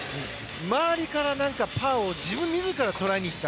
周りからパワーを自分自ら取りに行った。